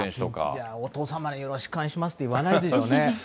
いや、お父さんまでよろしくお願いしますって言わないですよね。